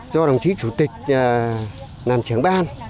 do đồng chí chủ tịch làm trưởng ban